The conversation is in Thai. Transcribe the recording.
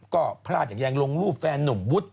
ก็พลาดอย่างยังลงรูปแฟนนุ่มวุฒิ